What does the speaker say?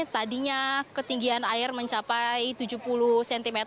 tadinya ketinggian air mencapai tujuh puluh cm